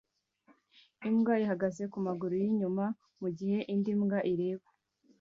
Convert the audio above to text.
Imbwa ihagaze kumaguru yinyuma mugihe indi mbwa ireba